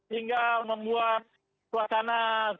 hingga membuat suasana